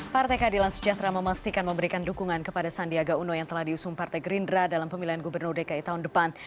partai keadilan sejahtera memastikan memberikan dukungan kepada sandiaga uno yang telah diusung partai gerindra dalam pemilihan gubernur dki tahun depan